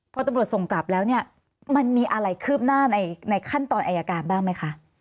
พอตำรวจส่งกลับแล้วเนี่ยมันมีอะไรคืบหน้าในขั้นตอนอายการบ้างไหมคะ